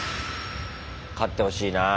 勝ってほしいなあ。